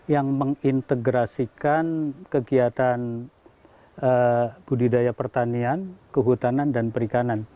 yang mengintegrasikan kegiatan budidaya pertanian kehutanan dan perikanan